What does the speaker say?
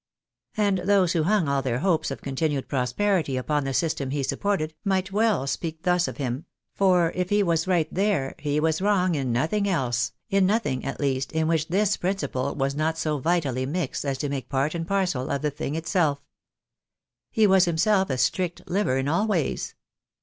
And those who hung all their hopes of continued prosperity upon the system he supported, might well speak thus of him — for if he was right there, he was wrong in nothing else, in nothing, at least, in which this principle was not so vitally mixed as to make part and parcel of the thing itself. He was hunself a strict liver in all ways.